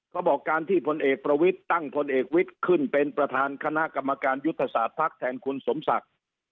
เขาบอกการที่พลเอกประวิทย์ตั้งพลเอกวิทย์ขึ้นเป็นประธานคณะกรรมการยุทธศาสตร์ภักดิ์แทนคุณสมศักดิ์